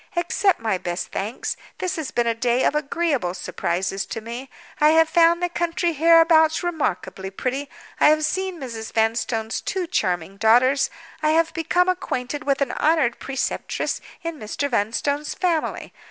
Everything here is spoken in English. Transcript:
Accept my best thanks. This has been a day of agreeable surprises to me. I have found the country hereabouts remarkably pretty; I have seen Mrs. Vanstone's two charming daughters; I have become acquainted with an honored preceptress in Mr. Vanstone's family.